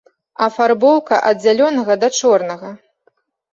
Афарбоўка ад зялёнага да чорнага.